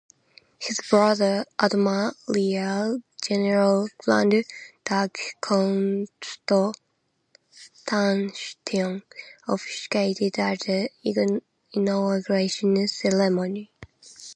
His brother, Admiral-General Grand Duke Konstantin, officiated at the inauguration ceremony.